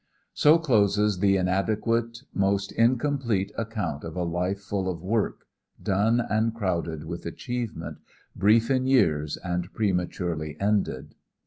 So closes the inadequate, most incomplete account of a life full of work done and crowded with achievement, brief in years and prematurely ended.